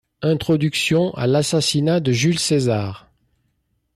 Introduction à l'assassinat de Jules César.